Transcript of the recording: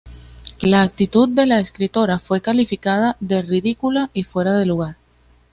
La actitud de la escritora fue calificada de ridícula y fuera de lugar.